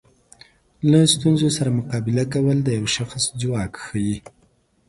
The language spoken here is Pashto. له ستونزو سره مقابله کول د یو شخص ځواک ښیي.